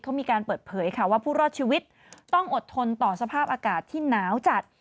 เขามีการเปิดเผยค่ะว่าผู้รอดชีวิตต้องอดทนต่อสภาพอากาศที่หนาวจัด